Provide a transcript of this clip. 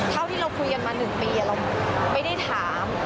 เท่าที่เราคุยกันมา๑ปีเราไม่ได้ถาม